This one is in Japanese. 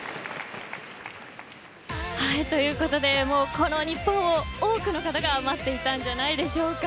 この日本を多くの方が待っていたんじゃないでしょうか。